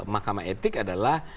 mahkamah etik adalah